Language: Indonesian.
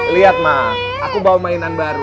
lihat mah aku bawa mainan baru